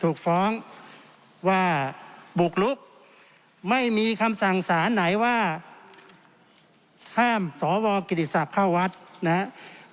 ถูกฟ้องว่าบุกลุกไม่มีคำสั่งสารไหนว่าห้ามสวกิติศักดิ์เข้าวัดนะครับ